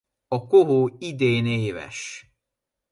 A kohó idén éves.